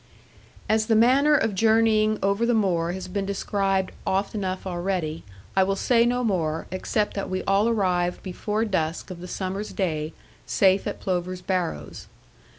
As the manner of journeying over the moor has been described oft enough already, I will say no more, except that we all arrived before dusk of the summer's day, safe at Plover's Barrows.